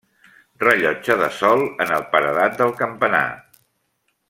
Rellotge de sol en el paredat del campanar.